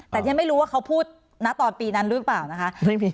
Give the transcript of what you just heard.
แต่ที่ฉันไม่รู้ว่าเขาพูดนะตอนปีนั้นหรือเปล่านะคะ